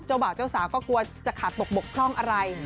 บ่าวเจ้าสาวก็กลัวจะขาดตกบกพร่องอะไร